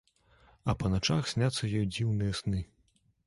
А па начах сняцца ёй дзіўныя сны.